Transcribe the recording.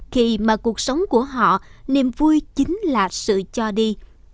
khi mà cuộc sống của họ niềm vui chính là sự cho đi